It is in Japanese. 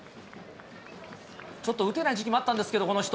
ちょっと打てない時期もあったんですけど、この人。